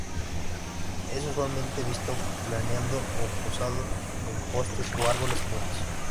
Es usualmente visto planeando o posado en postes o árboles muertos.